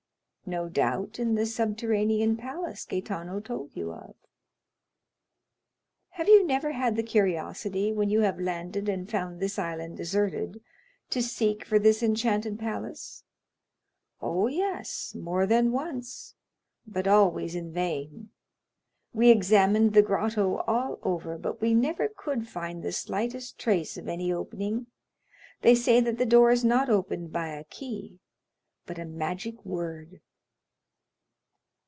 "No doubt in the subterranean palace Gaetano told you of." "Have you never had the curiosity, when you have landed and found this island deserted, to seek for this enchanted palace?" "Oh, yes, more than once, but always in vain; we examined the grotto all over, but we never could find the slightest trace of any opening; they say that the door is not opened by a key, but a magic word."